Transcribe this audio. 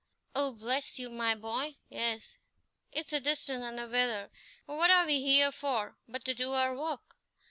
"Oh, bless you! my boy, yes; it's the distance and the weather; but what are we here for but to do our work?